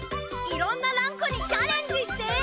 いろんなランクにチャレンジして。